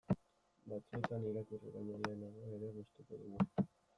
Batzuetan irakurri baino lehenago ere gustuko dugu.